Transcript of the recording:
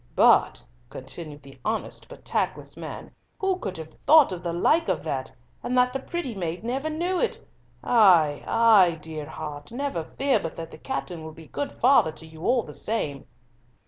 But," continued the honest, but tactless man, "who could have thought of the like of that, and that the pretty maid never knew it? Ay, ay, dear heart. Never fear but that the captain will be good father to you all the same."